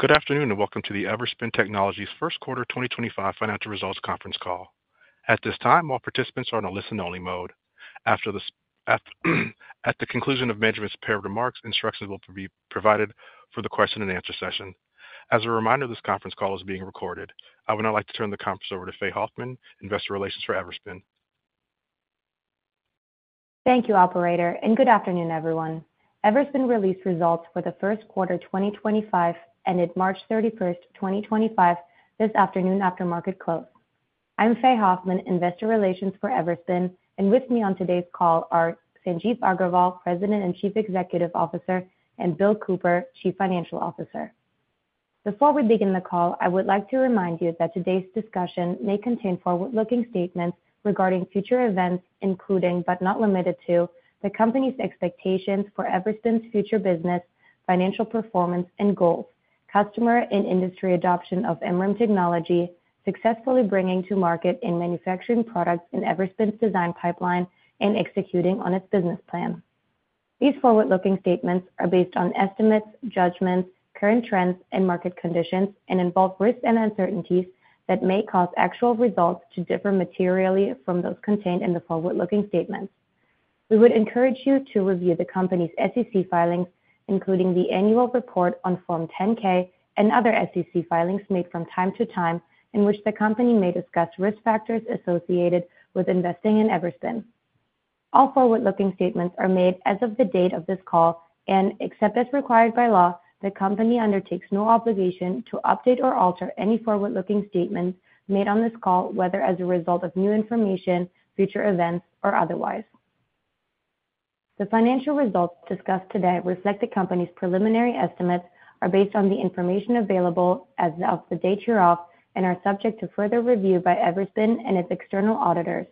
Good afternoon and welcome to the Everspin Technologies' Q1 2025 Financial Results Conference Call. At this time, all participants are in a listen-only mode. After the conclusion of management's prepared remarks, instructions will be provided for the question-and-answer session. As a reminder, this conference call is being recorded. I would now like to turn the conference over to Faye Hoffman, Investor Relations for Everspin. Thank you, Operator, and good afternoon, everyone. Everspin released results for the Q1 2025 ended March 31, 2025, this afternoon after market close. I'm Faye Hoffman, Investor Relations for Everspin, and with me on today's call are Sanjeev Aggarwal, President and Chief Executive Officer, and Bill Cooper, Chief Financial Officer. Before we begin the call, I would like to remind you that today's discussion may contain forward-looking statements regarding future events, including, but not limited to, the company's expectations for Everspin's future business, financial performance, and goals, customer and industry adoption of MRAM technology, successfully bringing to market and manufacturing products in Everspin's design pipeline, and executing on its business plan. These forward-looking statements are based on estimates, judgments, current trends, and market conditions, and involve risks and uncertainties that may cause actual results to differ materially from those contained in the forward-looking statements. We would encourage you to review the company's SEC filings, including the annual report on Form 10-K and other SEC filings made from time to time, in which the company may discuss risk factors associated with investing in Everspin. All forward-looking statements are made as of the date of this call, and, except as required by law, the company undertakes no obligation to update or alter any forward-looking statements made on this call, whether as a result of new information, future events, or otherwise. The financial results discussed today reflect the company's preliminary estimates, are based on the information available as of the date hereof, and are subject to further review by Everspin and its external auditors.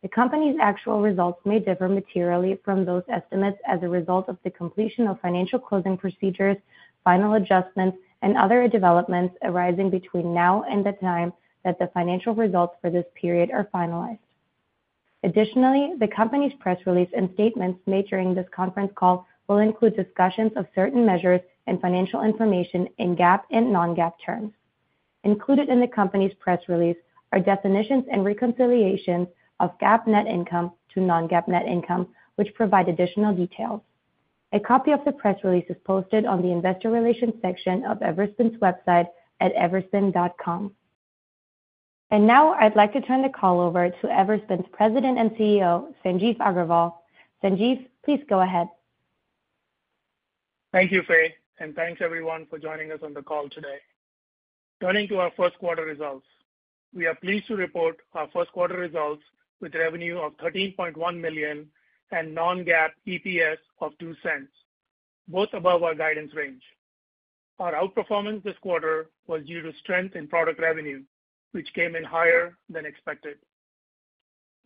The company's actual results may differ materially from those estimates as a result of the completion of financial closing procedures, final adjustments, and other developments arising between now and the time that the financial results for this period are finalized. Additionally, the company's press release and statements made during this conference call will include discussions of certain measures and financial information in GAAP and non-GAAP terms. Included in the company's press release are definitions and reconciliations of GAAP net income to non-GAAP net income, which provide additional details. A copy of the press release is posted on the Investor Relations section of Everspin's website at everspin.com. I would like to turn the call over to Everspin's President and CEO, Sanjeev Aggarwal. Sanjeev, please go ahead. Thank you, Faye, and thanks everyone for joining us on the call today. Turning to our Q1 results, we are pleased to report our Q1 results with revenue of $13.1 million and non-GAAP EPS of $0.02, both above our guidance range. Our outperformance this quarter was due to strength in product revenue, which came in higher than expected.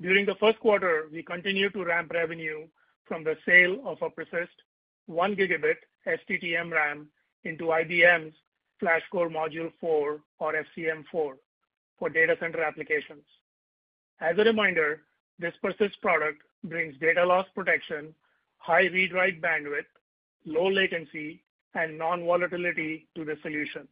During the Q1, we continued to ramp revenue from the sale of a PERSYST 1 Gigabit STT-MRAM into IBM's Flash Core Module 4, or FCM4, for data center applications. As a reminder, this PERSYST product brings data loss protection, high read-write bandwidth, low latency, and non-volatility to the solution.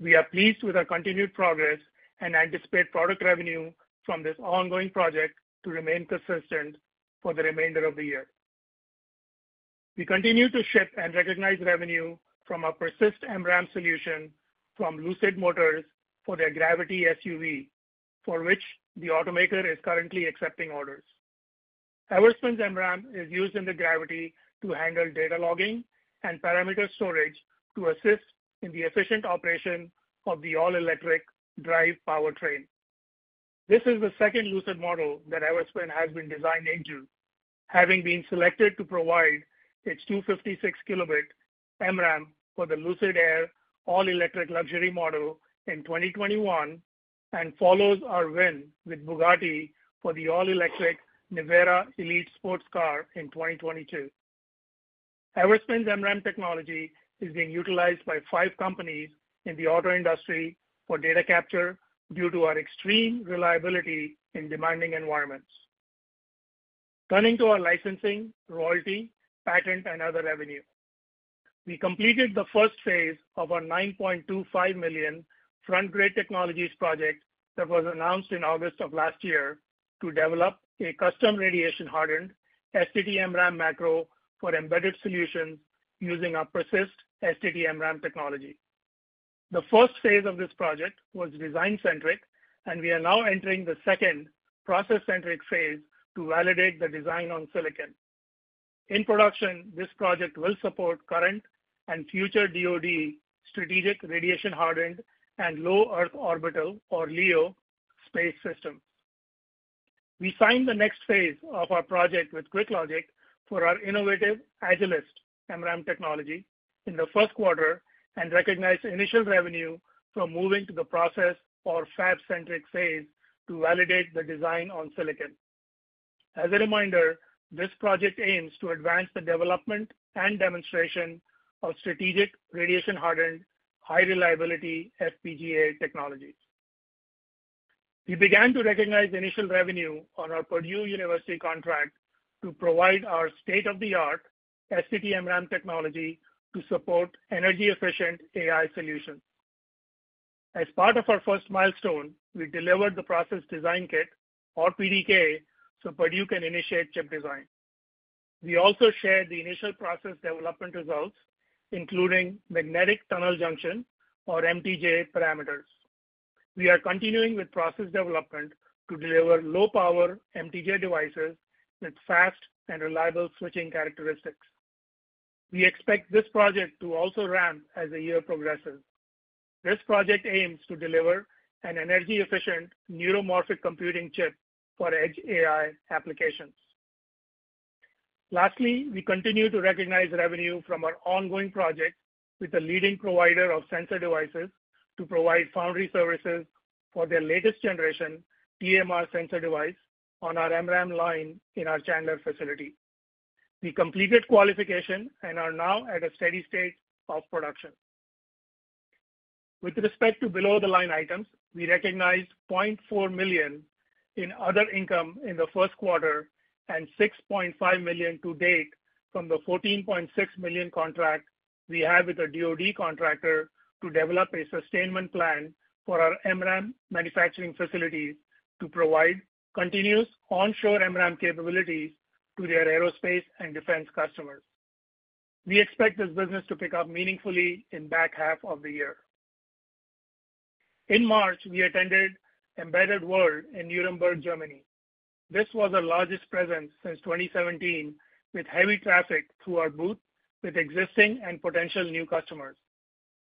We are pleased with our continued progress and anticipate product revenue from this ongoing project to remain consistent for the remainder of the year. We continue to ship and recognize revenue from our PERSYST MRAM solution from Lucid Motors for their Gravity SUV, for which the automaker is currently accepting orders. Everspin's MRAM is used in the Gravity to handle data logging and parameter storage to assist in the efficient operation of the all-electric drive powertrain. This is the second Lucid model that Everspin has been designed into, having been selected to provide its 256-kilobit MRAM for the Lucid Air all-electric luxury model in 2021 and follows our win with Bugatti for the all-electric Nevera sports car in 2022. Everspin's MRAM technology is being utilized by five companies in the auto industry for data capture due to our extreme reliability in demanding environments. Turning to our licensing, royalty, patent, and other revenue, we completed the first phase of our $9.25 million Frontgrade Technologies project that was announced in August of last year to develop a custom radiation-hardened STT-MRAM macro for embedded solutions using our PERSYST STT-MRAM technology. The first phase of this project was design-centric, and we are now entering the second process-centric phase to validate the design on silicon. In production, this project will support current and future DoD strategic radiation-hardened and low Earth orbital, or LEO, space systems. We signed the next phase of our project with QuickLogic for our innovative Agilist MRAM technology in the Q1 and recognized initial revenue from moving to the process, or fab-centric phase, to validate the design on silicon. As a reminder, this project aims to advance the development and demonstration of strategic radiation-hardened, high-reliability FPGA technologies. We began to recognize initial revenue on our Purdue University contract to provide our state-of-the-art STT-MRAM technology to support energy-efficient AI solutions. As part of our first milestone, we delivered the process design kit, or PDK, so Purdue can initiate chip design. We also shared the initial process development results, including magnetic tunnel junction, or MTJ, parameters. We are continuing with process development to deliver low-power MTJ devices with fast and reliable switching characteristics. We expect this project to also ramp as the year progresses. This project aims to deliver an energy-efficient neuromorphic computing chip for edge AI applications. Lastly, we continue to recognize revenue from our ongoing project with the leading provider of sensor devices to provide foundry services for their latest generation TMR sensor device on our MRAM line in our Chandler facility. We completed qualification and are now at a steady state of production. With respect to below-the-line items, we recognized $0.4 million in other income in the Q1 and $6.5 million to date from the $14.6 million contract we have with a DoD contractor to develop a sustainment plan for our MRAM manufacturing facilities to provide continuous onshore MRAM capabilities to their aerospace and defense customers. We expect this business to pick up meaningfully in the back half of the year. In March, we attended Embedded World in Nuremberg, Germany. This was our largest presence since 2017, with heavy traffic through our booth with existing and potential new customers.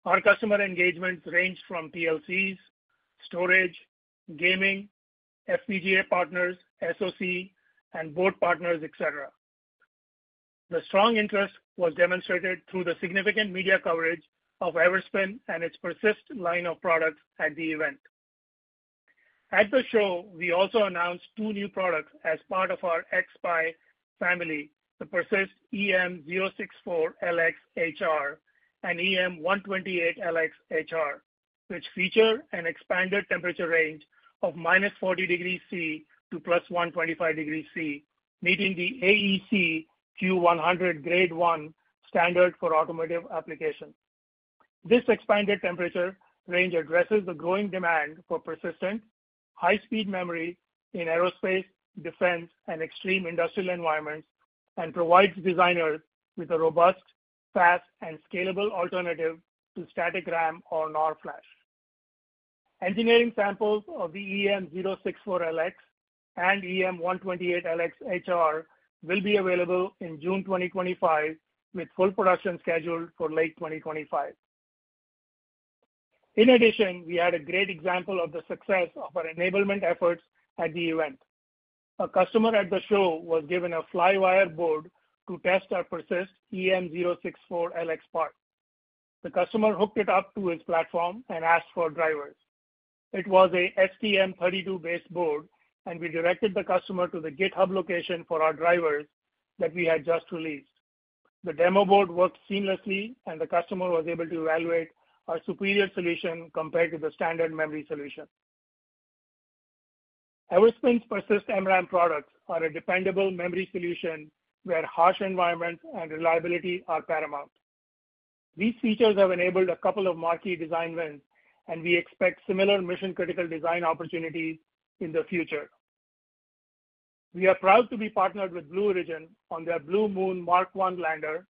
Our customer engagements ranged from PLCs, storage, gaming, FPGA partners, SoC, and board partners, etc. The strong interest was demonstrated through the significant media coverage of Everspin and its PERSYST line of products at the event. At the show, we also announced two new products as part of our xSPI family, the PERSYST EM064LX and EM128LX, which feature an expanded temperature range of minus 40 degrees Celsius to plus 125 degrees Celsius, meeting the AEC Q100 Grade 1 standard for automotive application. This expanded temperature range addresses the growing demand for persistent, high-speed memory in aerospace, defense, and extreme industrial environments and provides designers with a robust, fast, and scalable alternative to static RAM or NOR flash. Engineering samples of the EM064LX and EM128LXHR will be available in June 2025, with full production scheduled for late 2025. In addition, we had a great example of the success of our enablement efforts at the event. A customer at the show was given a Flywire board to test our PERSYST EM064LX part. The customer hooked it up to his platform and asked for drivers. It was an STM32-based board, and we directed the customer to the GitHub location for our drivers that we had just released. The demo board worked seamlessly, and the customer was able to evaluate our superior solution compared to the standard memory solution. Everspin's PERSYT MRAM products are a dependable memory solution where harsh environments and reliability are paramount. These features have enabled a couple of marquee design wins, and we expect similar mission-critical design opportunities in the future. We are proud to be partnered with Blue Origin on their Blue Moon Mark 1 lander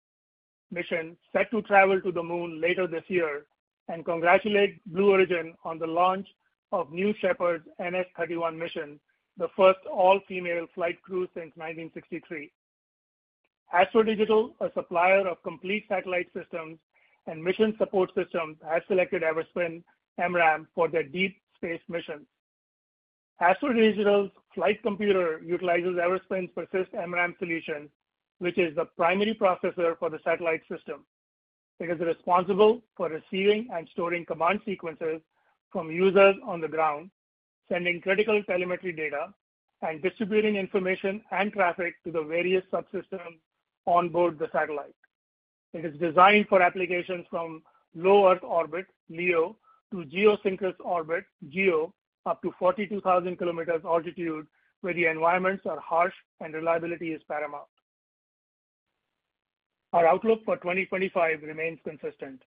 mission, set to travel to the Moon later this year, and congratulate Blue Origin on the launch of New Shepard's NS-31 mission, the first all-female flight crew since 1963. Astro Digital, a supplier of complete satellite systems and mission support systems, has selected Everspin MRAM for their deep space missions. Astro Digital's flight computer utilizes Everspin's PERSYST MRAM solution, which is the primary processor for the satellite system. It is responsible for receiving and storing command sequences from users on the ground, sending critical telemetry data, and distributing information and traffic to the various subsystems onboard the satellite. It is designed for applications from Low Earth Orbit, LEO, to Geosynchronous orbit, GEO, up to 42,000 kilometers altitude, where the environments are harsh and reliability is paramount. Our outlook for 2025 remains consistent.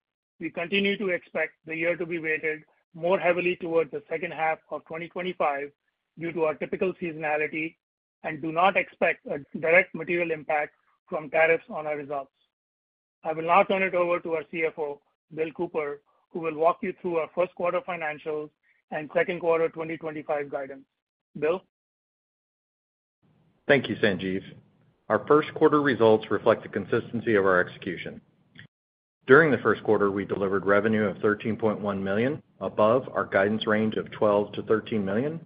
We continue to expect the year to be weighted more heavily towards the second half of 2025 due to our typical seasonality and do not expect a direct material impact from tariffs on our results. I will now turn it over to our CFO, Bill Cooper, who will walk you through our Q1 financials and Q2 2025 guidance. Bill? Thank you, Sanjeev. Our Q1 results reflect the consistency of our execution. During the Q1, we delivered revenue of $13.1 million, above our guidance range of $12-$13 million,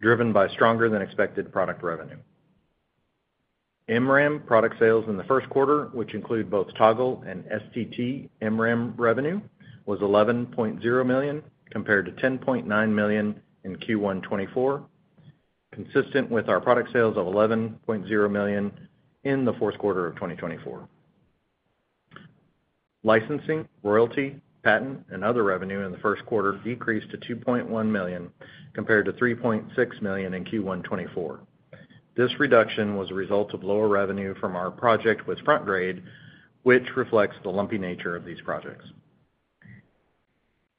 driven by stronger-than-expected product revenue. MRAM product sales in the Q1, which include both Toggle and STT-MRAM revenue, was $11.0 million, compared to $10.9 million in Q1 2024, consistent with our product sales of $11.0 million in the Q4 of 2024. Licensing, royalty, patent, and other revenue in the Q1 decreased to $2.1 million, compared to $3.6 million in Q1 2024. This reduction was a result of lower revenue from our project with Frontgrade, which reflects the lumpy nature of these projects.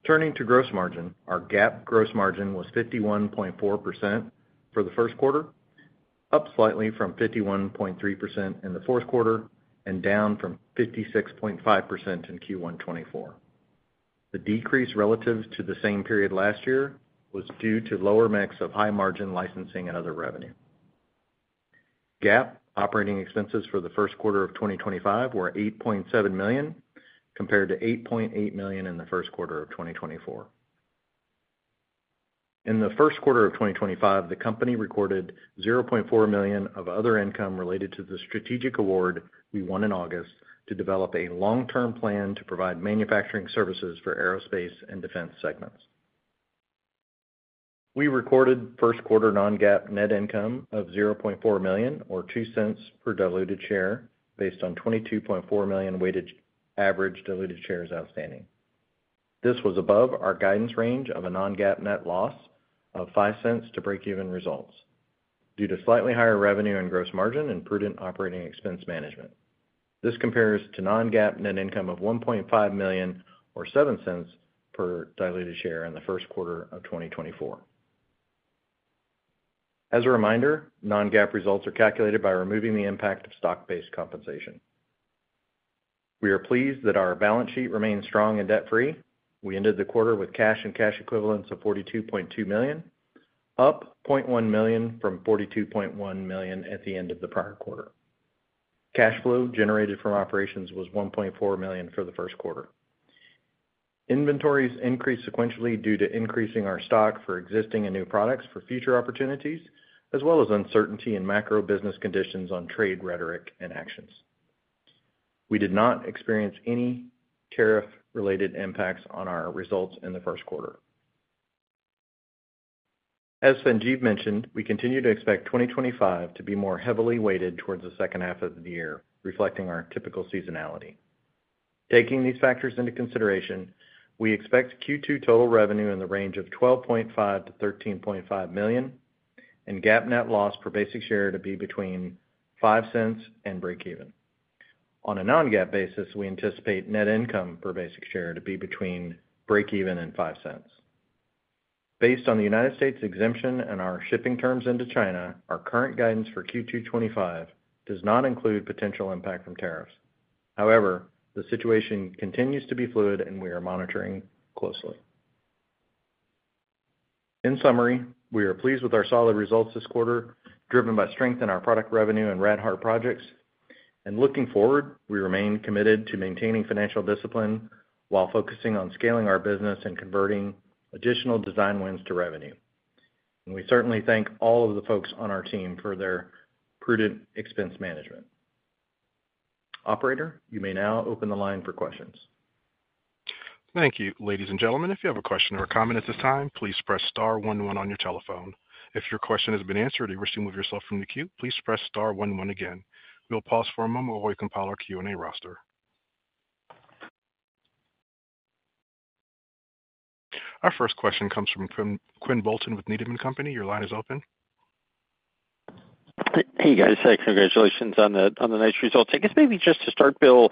Turning to gross margin, our GAAP gross margin was 51.4% for the Q1, up slightly from 51.3% in the Q4 and down from 56.5% in Q1 2024. The decrease relative to the same period last year was due to lower mix of high margin licensing and other revenue. GAAP operating expenses for the Q1 of 2025 were $8.7 million, compared to $8.8 million in the Q1 of 2024. In the Q1 of 2025, the company recorded $0.4 million of other income related to the strategic award we won in August to develop a long-term plan to provide manufacturing services for aerospace and defense segments. We recorded Q1 non-GAAP net income of $0.4 million, or $0.02 per diluted share, based on 22.4 million weighted average diluted shares outstanding. This was above our guidance range of a non-GAAP net loss of $0.05 to break-even results due to slightly higher revenue and gross margin and prudent operating expense management. This compares to non-GAAP net income of $1.5 million, or $0.07 per diluted share in the Q1 of 2024. As a reminder, non-GAAP results are calculated by removing the impact of stock-based compensation. We are pleased that our balance sheet remains strong and debt-free. We ended the quarter with cash and cash equivalents of $42.2 million, up $0.1 million from $42.1 million at the end of the prior quarter. Cash flow generated from operations was $1.4 million for the Q1. Inventories increased sequentially due to increasing our stock for existing and new products for future opportunities, as well as uncertainty in macro business conditions on trade rhetoric and actions. We did not experience any tariff-related impacts on our results in the Q1. As Sanjeev mentioned, we continue to expect 2025 to be more heavily weighted towards the second half of the year, reflecting our typical seasonality. Taking these factors into consideration, we expect Q2 total revenue in the range of $12.5-$13.5 million and GAAP net loss per basic share to be between $0.05 and break-even. On a non-GAAP basis, we anticipate net income per basic share to be between break-even and $0.05. Based on the United States exemption and our shipping terms into China, our current guidance for Q2 2025 does not include potential impact from tariffs. However, the situation continues to be fluid, and we are monitoring closely. In summary, we are pleased with our solid results this quarter, driven by strength in our product revenue and rad-hard projects. Looking forward, we remain committed to maintaining financial discipline while focusing on scaling our business and converting additional design wins to revenue. We certainly thank all of the folks on our team for their prudent expense management. Operator, you may now open the line for questions. Thank you, ladies and gentlemen. If you have a question or a comment at this time, please press star 11 on your telephone. If your question has been answered or you wish to move yourself from the queue, please press star 11 again. We'll pause for a moment while we compile our Q&A roster. Our first question comes from Quinn Bolton with Needham & Company. Your line is open. Hey, guys. Congratulations on the nice results. I guess maybe just to start, Bill,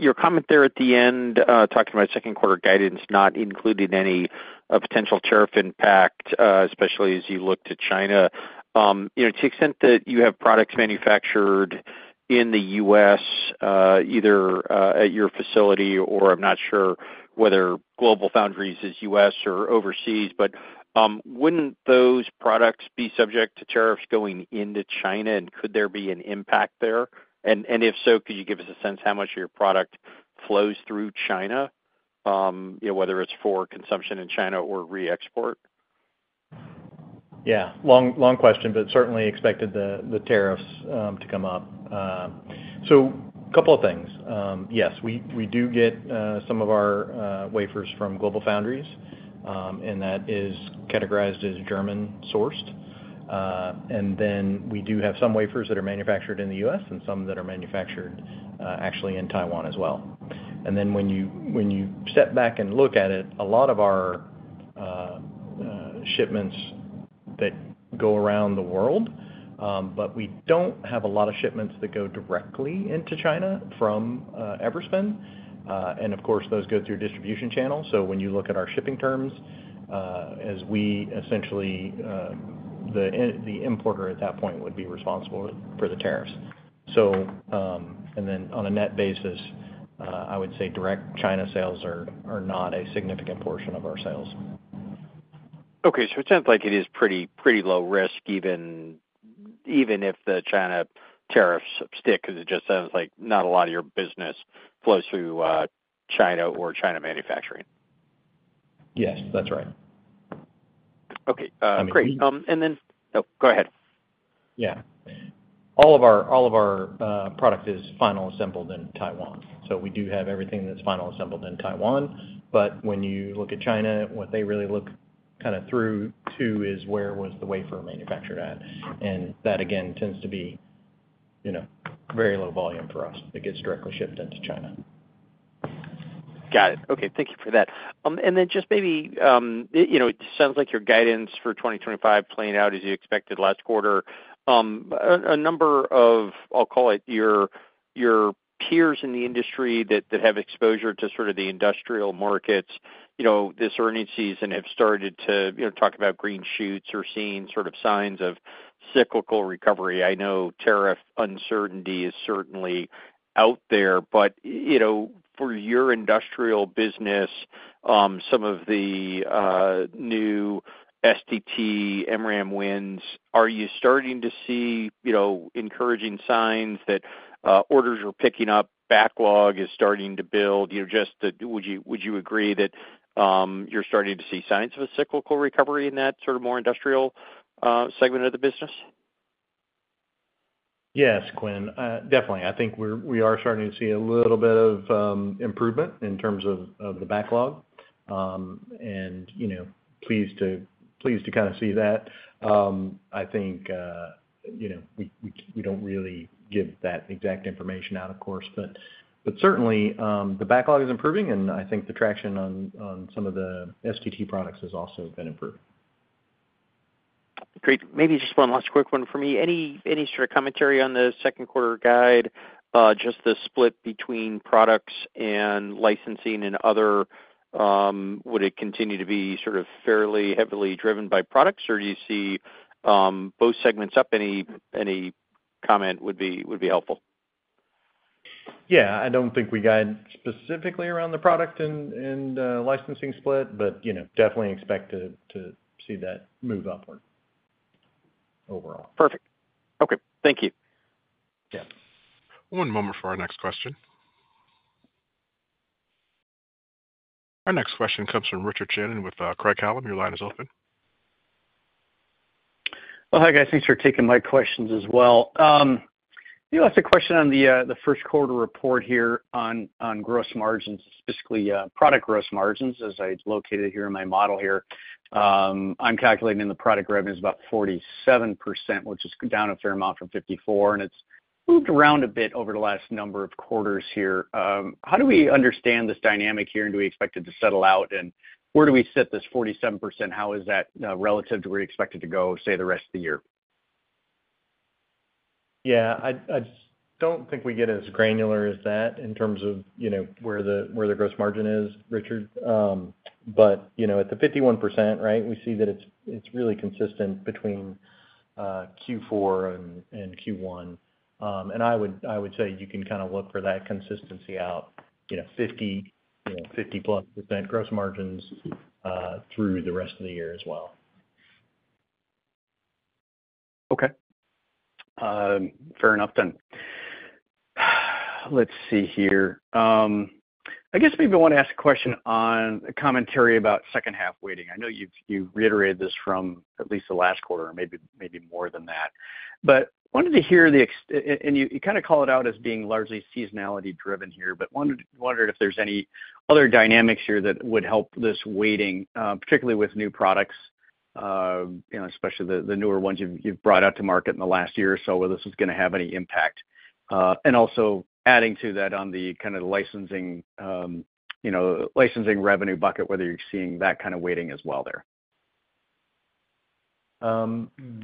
your comment there at the end, talking about Q2 guidance not including any potential tariff impact, especially as you look to China. To the extent that you have products manufactured in the US, either at your facility or I'm not sure whether GlobalFoundries is US or overseas, but wouldn't those products be subject to tariffs going into China? Could there be an impact there? If so, could you give us a sense how much of your product flows through China, whether it's for consumption in China or re-export? Yeah. Long question, but certainly expected the tariffs to come up. A couple of things. Yes, we do get some of our wafers from GlobalFoundries, and that is categorized as German-sourced. We do have some wafers that are manufactured in the United States and some that are manufactured actually in Taiwan as well. When you step back and look at it, a lot of our shipments go around the world, but we do not have a lot of shipments that go directly into China from Everspin. Of course, those go through distribution channels. When you look at our shipping terms, essentially the importer at that point would be responsible for the tariffs. On a net basis, I would say direct China sales are not a significant portion of our sales. Okay. It sounds like it is pretty low risk, even if the China tariffs stick, because it just sounds like not a lot of your business flows through China or China manufacturing. Yes, that's right. Okay. Great. Oh, go ahead. Yeah. All of our product is final assembled in Taiwan. We do have everything that's final assembled in Taiwan. When you look at China, what they really look kind of through to is where was the wafer manufactured at. That, again, tends to be very low volume for us. It gets directly shipped into China. Got it. Okay. Thank you for that. Maybe it sounds like your guidance for 2025 is playing out as you expected last quarter. A number of, I'll call it, your peers in the industry that have exposure to sort of the industrial markets this earnings season have started to talk about green shoots or seeing sort of signs of cyclical recovery. I know tariff uncertainty is certainly out there. For your industrial business, some of the new STT-MRAM wins, are you starting to see encouraging signs that orders are picking up, backlog is starting to build? Would you agree that you're starting to see signs of a cyclical recovery in that sort of more industrial segment of the business? Yes, Quinn. Definitely. I think we are starting to see a little bit of improvement in terms of the backlog. I am pleased to kind of see that. I think we do not really give that exact information out, of course. Certainly, the backlog is improving, and I think the traction on some of the STT products has also been improved. Great. Maybe just one last quick one for me. Any sort of commentary on the Q2 guide, just the split between products and licensing and other, would it continue to be sort of fairly heavily driven by products, or do you see both segments up? Any comment would be helpful. Yeah. I don't think we guide specifically around the product and licensing split, but definitely expect to see that move upward overall. Perfect. Okay. Thank you. Yeah. One moment for our next question. Our next question comes from Richard Shannon with Craig-Hallum. Your line is open. Hi, guys. Thanks for taking my questions as well. I have a question on the Q1 report here on gross margins, specifically product gross margins, as I located here in my model here. I'm calculating the product revenue is about 47%, which is down a fair amount from 54%. It has moved around a bit over the last number of quarters here. How do we understand this dynamic here, and do we expect it to settle out? Where do we sit, this 47%? How is that relative to where you expect it to go, say, the rest of the year? Yeah. I don't think we get as granular as that in terms of where the gross margin is, Richard. At the 51%, right, we see that it's really consistent between Q4 and Q1. I would say you can kind of look for that consistency out, 50-plus % gross margins through the rest of the year as well. Okay. Fair enough, then. Let's see here. I guess maybe I want to ask a question on commentary about second half weighting. I know you've reiterated this from at least the last quarter, maybe more than that. Wanted to hear the, and you kind of call it out as being largely seasonality-driven here, but wondered if there's any other dynamics here that would help this weighting, particularly with new products, especially the newer ones you've brought out to market in the last year or so, whether this is going to have any impact. Also adding to that, on the kind of licensing revenue bucket, whether you're seeing that kind of weighting as well there.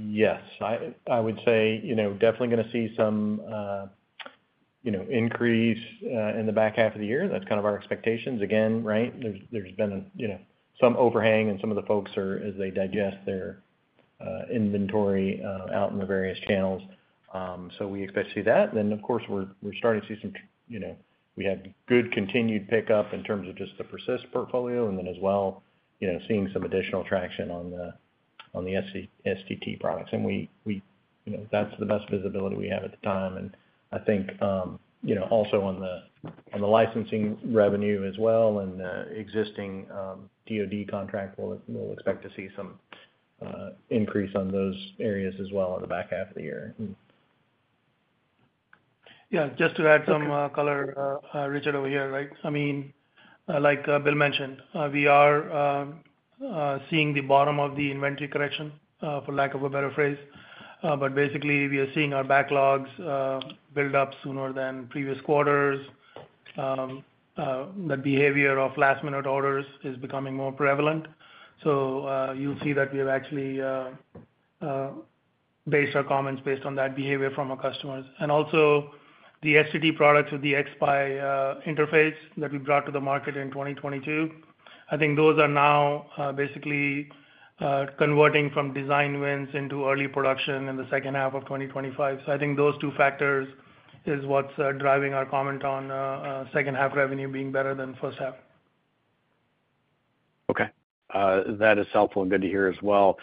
Yes. I would say definitely going to see some increase in the back half of the year. That is kind of our expectations. Again, right, there has been some overhang in some of the folks as they digest their inventory out in the various channels. We expect to see that. Of course, we are starting to see some, we have good continued pickup in terms of just the PERSYST portfolio, and as well seeing some additional traction on the STT products. That is the best visibility we have at the time. I think also on the licensing revenue as well and existing DoD contract, we will expect to see some increase on those areas as well in the back half of the year. Yeah. Just to add some color, Richard, over here, right? I mean, like Bill mentioned, we are seeing the bottom of the inventory correction, for lack of a better phrase. Basically, we are seeing our backlogs build up sooner than previous quarters. That behavior of last-minute orders is becoming more prevalent. You will see that we have actually based our comments based on that behavior from our customers. Also, the STT products with the xSPI interface that we brought to the market in 2022, I think those are now basically converting from design wins into early production in the second half of 2025. I think those two factors are what is driving our comment on second-half revenue being better than first half. Okay. That is helpful and good to hear as well.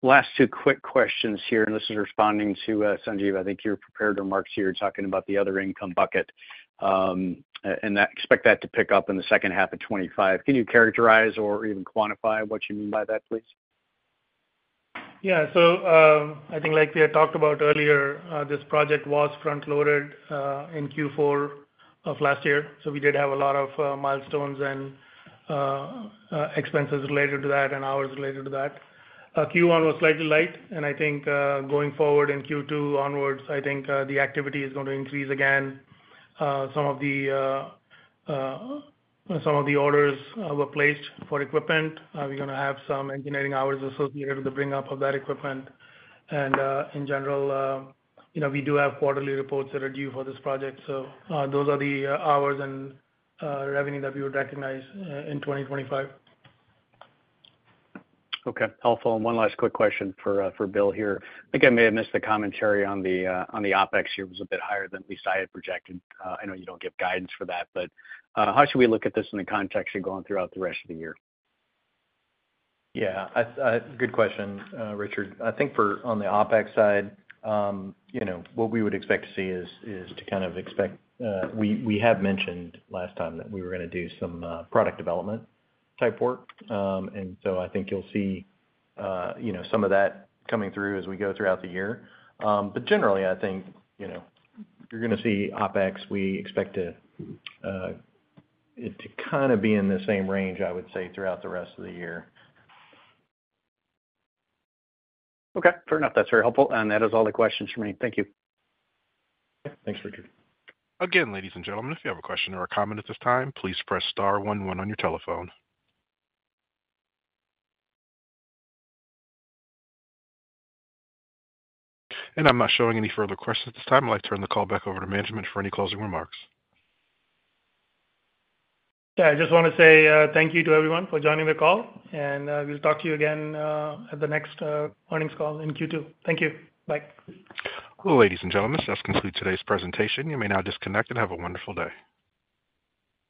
Last two quick questions here. This is responding to Sanjeev. I think you're prepared to remark to your talking about the other income bucket and expect that to pick up in the second half of 2025. Can you characterize or even quantify what you mean by that, please? Yeah. I think, like we had talked about earlier, this project was front-loaded in Q4 of last year. We did have a lot of milestones and expenses related to that and hours related to that. Q1 was slightly light. I think going forward in Q2 onwards, the activity is going to increase again. Some of the orders were placed for equipment. We're going to have some engineering hours associated with the bring-up of that equipment. In general, we do have quarterly reports that are due for this project. Those are the hours and revenue that we would recognize in 2025. Okay. Helpful. One last quick question for Bill here. I think I may have missed the commentary on the OpEx. It was a bit higher than at least I had projected. I know you do not give guidance for that, but how should we look at this in the context of going throughout the rest of the year? Yeah. Good question, Richard. I think on the OpEx side, what we would expect to see is to kind of expect we have mentioned last time that we were going to do some product development type work. I think you'll see some of that coming through as we go throughout the year. Generally, I think you're going to see OpEx. We expect it to kind of be in the same range, I would say, throughout the rest of the year. Okay. Fair enough. That's very helpful. That is all the questions for me. Thank you. Okay. Thanks, Richard. Again, ladies and gentlemen, if you have a question or a comment at this time, please press star 11 on your telephone. I am not showing any further questions at this time. I would like to turn the call back over to management for any closing remarks. Yeah. I just want to say thank you to everyone for joining the call. We will talk to you again at the next earnings call in Q2. Thank you. Bye. Ladies and gentlemen, this does conclude today's presentation. You may now disconnect and have a wonderful day.